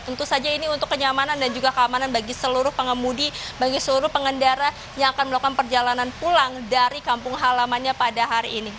tentu saja ini untuk kenyamanan dan juga keamanan bagi seluruh pengemudi bagi seluruh pengendara yang akan melakukan perjalanan pulang dari kampung halamannya pada hari ini